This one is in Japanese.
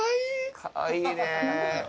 かわいいね。